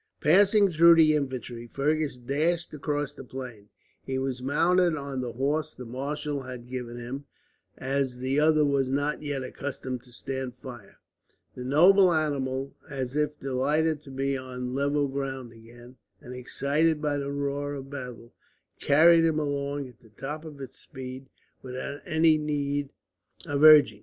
Passing through the infantry, Fergus dashed across the plain. He was mounted on the horse the marshal had given him, as the other was not yet accustomed to stand fire. The noble animal, as if delighted to be on level ground again, and excited by the roar of battle, carried him along at the top of its speed without any need of urging.